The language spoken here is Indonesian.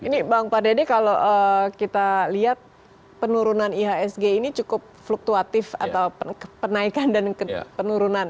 ini bang pak dede kalau kita lihat penurunan ihsg ini cukup fluktuatif atau penaikan dan penurunan